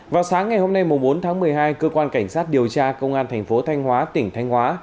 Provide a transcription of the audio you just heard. vào sáng ngày hôm nay bốn tháng một mươi hai cơ quan cảnh sát điều tra công an thành phố thanh hóa tỉnh thanh hóa